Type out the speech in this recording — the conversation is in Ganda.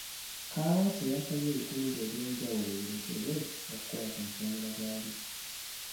Kaawaase yasabye ebitundu ebyenjawulo birekebwe okukola ku nsonga zaabyo.